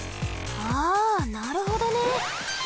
あなるほどね。